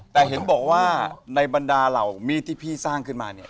แต่เห็นบอกว่าในบรรดาเหล่ามีดที่พี่สร้างขึ้นมาเนี่ย